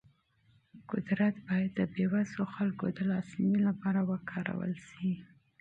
قدرت باید د بې وسو خلکو د لاسنیوي لپاره وکارول شي.